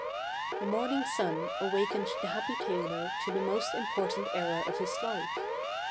The morning sun awakened the happy tailor to the most important era of his life.